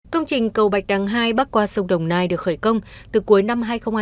công trình cầu bạch đằng hai bắc qua sông đồng nai được khởi công từ cuối năm hai nghìn hai mươi